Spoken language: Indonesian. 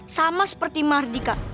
sama seperti mardika